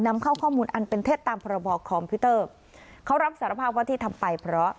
นำเข้าข้อมูลอันเป็นเท็จตามพรบคอมพิวเตอร์เขารับสารภาพว่าที่ทำไปเพราะ